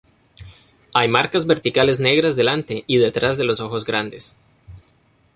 Hay marcas verticales negras delante y detrás de los ojos grandes.